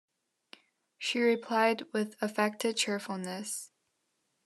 She replied with affected cheerfulness.